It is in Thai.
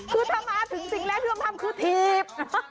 คือถ้ามาถึงสิ่งแรกที่ต้องทำคือถีบ